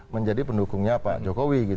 menjadi pendukungnya pak jokowi